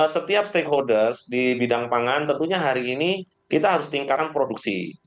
setiap stakeholders di bidang pangan tentunya hari ini kita harus tingkatkan produksi